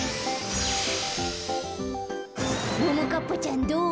ももかっぱちゃんどう？